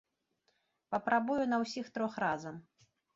Папрабую на ўсіх трох разам.